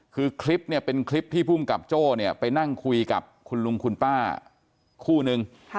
คือคลิปเนี่ยเป็นคลิปที่ภูมิกับโจ้เนี่ยไปนั่งคุยกับคุณลุงคุณป้าคู่นึง